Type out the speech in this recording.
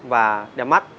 và đẹp mắt